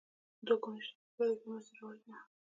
دوه ګوني اشتراکي اړیکه یې مینځته راوړې ده.